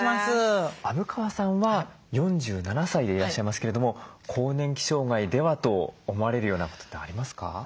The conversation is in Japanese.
虻川さんは４７歳でいらっしゃいますけれども更年期障害ではと思われるようなことってありますか？